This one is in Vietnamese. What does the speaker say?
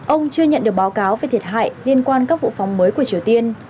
ông chưa nhận được báo cáo về thiệt hại liên quan các vụ phóng mới của triều tiên